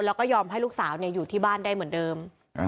แล้วก็ยอมให้ลูกสาวอยู่ที่บ้านได้เหมือนเดิม